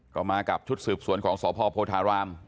ก็มากับชุดสืบสวนของสพโพธาราม